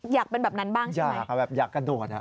อยากเป็นแบบนั้นบ้างใช่ไหมแบบอยากกระโดดอ่ะ